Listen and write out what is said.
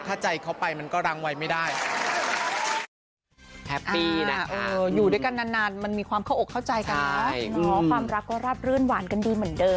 ถ้าใจเขาไปมันก็รังไว้ไม่ได้